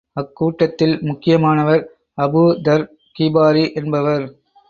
அக்கூட்டத்தில், முக்கியமானவர் Abu Dhar Ghifari என்பவர்.